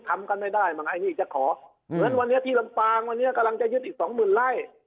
ทำกันไม่ได้มั้งไอ้นี่จะขอเหมือนวันนี้ที่ลำปางวันนี้กำลังจะยึดอีกสองหมื่นไร่